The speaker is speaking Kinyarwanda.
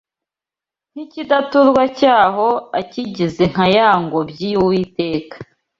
n’ikidaturwa cyaho akigize nka ya ngobyi y’Uwiteka